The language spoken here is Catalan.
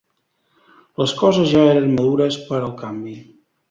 Les coses ja eren madures per al canvi.